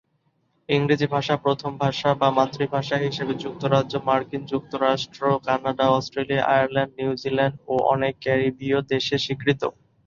ইংরেজি ভাষা প্রথম ভাষা বা মাতৃভাষা হিসেবে যুক্তরাজ্য, মার্কিন যুক্তরাষ্ট্র, কানাডা, অস্ট্রেলিয়া, আয়ারল্যান্ড, নিউজিল্যান্ড ও অনেক ক্যারিবীয় দেশে স্বীকৃত।